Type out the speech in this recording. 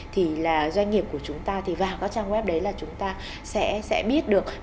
thì doanh nghiệp của chúng ta thì vào các trang web đấy là chúng ta sẽ biết được